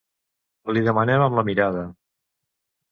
Li demanem amb la mirada.